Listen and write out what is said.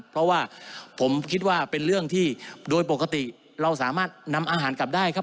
เพราะว่าผมคิดว่าเป็นเรื่องที่โดยปกติเราสามารถนำอาหารกลับได้ครับ